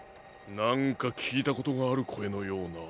なんかきいたことがあるこえのような。